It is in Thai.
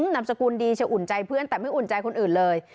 นามสกุลดีจะอุ่นใจเพื่อนแต่ไม่อุ่นใจคนอื่นเลย